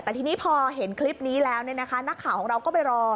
แต่ทีนี้พอเห็นคลิปนี้แล้วนักข่าวของเราก็ไปรอ